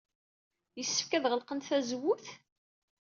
Yessefk ad ɣelqent tazewwut?